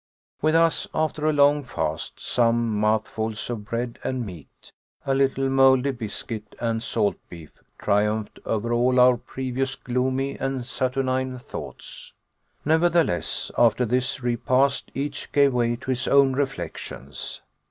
With us, after a long fast, some mouthfuls of bread and meat, a little moldy biscuit and salt beef triumphed over all our previous gloomy and saturnine thoughts. Nevertheless, after this repast each gave way to his own reflections.